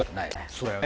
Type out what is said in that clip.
そうだよね。